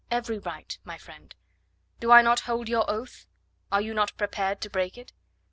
"Every right, my friend. Do I not hold your oath?... Are you not prepared to break it?"